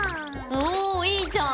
おいいじゃん！